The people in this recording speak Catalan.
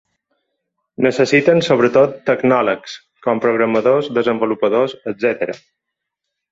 Necessiten sobretot tecnòlegs, com programadors, desenvolupadors, etcètera.